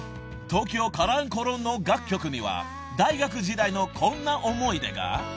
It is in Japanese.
［東京カランコロンの楽曲には大学時代のこんな思い出が］